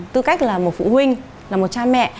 tư cách là một phụ huynh là một cha mẹ